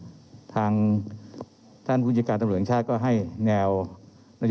เรามีการปิดบันทึกจับกลุ่มเขาหรือหลังเกิดเหตุแล้วเนี่ย